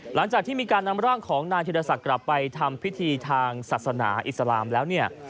หลังจากที่มีการนำร่างของนายธิรศักดิ์กลับไปทำพิธีทางศาสนาอิสลามแล้วเนี่ย